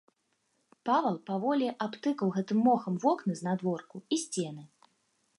Павал паволі абтыкаў гэтым мохам вокны знадворку і сцены.